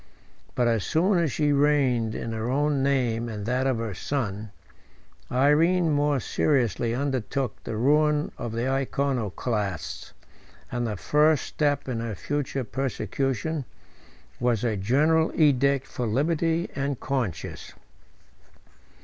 But as soon as she reigned in her own name and that of her son, Irene more seriously undertook the ruin of the Iconoclasts; and the first step of her future persecution was a general edict for liberty of conscience.